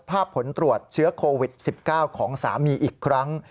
ผลตรวจเชื้อโควิด๑๙ของสามีอีกครั้ง